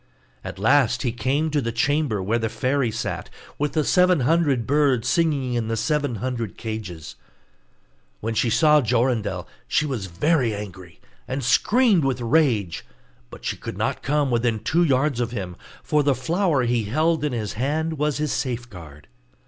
At last he came to the chamber where the fairy sat, with the seven hundred birds singing in the seven hundred cages. When she saw Jorindel she was very angry, and screamed with rage; but she could not come within two yards of him, for the flower he held in his hand was his safeguard.